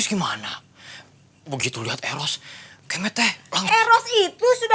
saya gua ingin bercerita